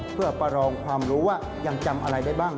เพื่อประลองความรู้ว่ายังจำอะไรได้บ้าง